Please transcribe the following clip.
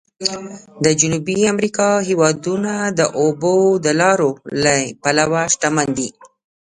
د جنوبي امریکا هېوادونه د اوبو د لارو له پلوه شمن دي.